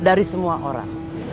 dari semua orang